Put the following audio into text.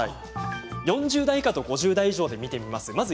４０代以下と５０代以上で見ます。